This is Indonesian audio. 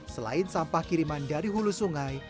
selain sampah kiriman dari hulu sungai